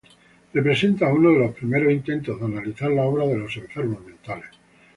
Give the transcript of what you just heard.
Representa uno de los primeros intentos de analizar la obra de los enfermos mentales.